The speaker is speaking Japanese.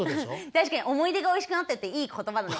確かに思い出がおいしくなってるっていい言葉だね。